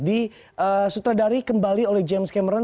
di sutradari kembali oleh james cameron